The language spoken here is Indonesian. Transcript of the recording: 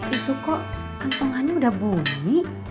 itu kok kantongannya udah bumi